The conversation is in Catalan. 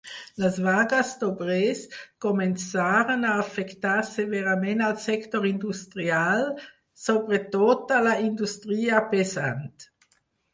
Les vagues d'obrers començaren a afectar severament al sector industrial, sobre tota la indústria pesant.